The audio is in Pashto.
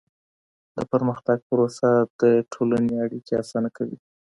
د پرمختګ پروسه د ټولني اړیکي اسانه کوي.